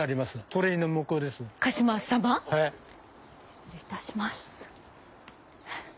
失礼いたします。